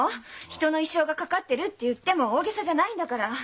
人の一生が懸かってるって言っても大げさじゃないんだから。